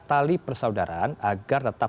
tali persaudaraan agar tetap